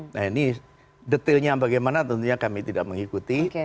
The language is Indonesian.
nah ini detailnya bagaimana tentunya kami tidak mengikuti